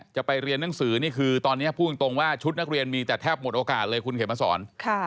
จะไปเรียนหนังสือนี่คือตอนนี้พูดตรงว่าชุดนักเรียนมีแต่แทบหมดโอกาสเลยคุณเขียนมาสอน